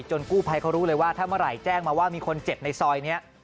กู้ภัยเขารู้เลยว่าถ้าเมื่อไหร่แจ้งมาว่ามีคนเจ็บในซอยนี้